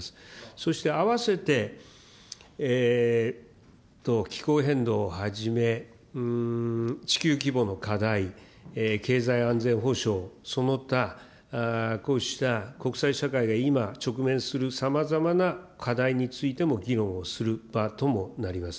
そして併せて、気候変動をはじめ、地球規模の課題、経済安全保障、その他、こうした国際社会が今、直面するさまざまな課題についても議論をする場ともなります。